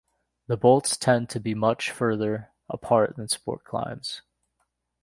The bolts tend to be much farther apart than sport climbs.